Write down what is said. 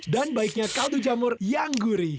dan baiknya kaldu jamur yang gurih